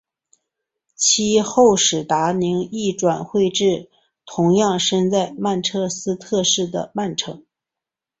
其后史达宁亦转会至同样身在曼彻斯特市的曼城。